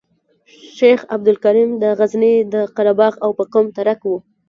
شیخ عبدالکریم د غزني د قره باغ او په قوم ترک وو.